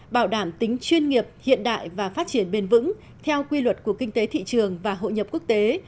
bảo đảm tính chuyên nghiệp hiện đại và phát triển bền vững theo quy luật của kinh tế thị trường và hội nhập quốc tế